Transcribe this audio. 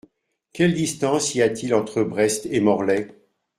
Quelle distance y a-t-il entre Brest et Morlaix ?